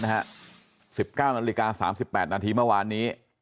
๑๙น๓๘นเมื่อวานนี้